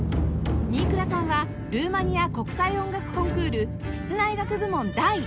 新倉さんはルーマニア国際音楽コンクール室内楽部門第１位を獲得